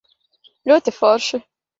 Ļoti forši.